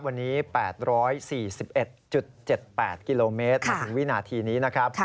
วันนี้๘๔๑๗๘กิโลเมตรมาถึงวินาทีนี้นะครับ